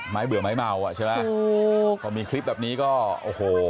ไม่เบื่อไม่เมาอ่ะถูกเพราะมีคลิปแบบนี้ก็โอ้โห